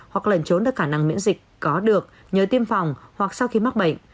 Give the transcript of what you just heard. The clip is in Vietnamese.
hoặc lẩn trốn được khả năng miễn dịch có được nhờ tiêm phòng hoặc sau khi mắc bệnh